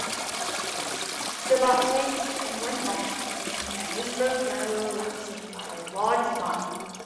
Cervantes and went on to win the April general election by a large margin.